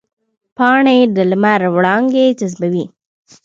پاڼې د لمر وړانګې جذبوي